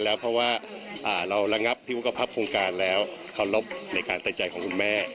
เราระงับที่วิกภัพโครงการแล้วขอรบในการใจใจของคุณแม่